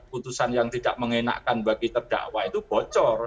putusan yang tidak mengenakan bagi terdakwa itu bocor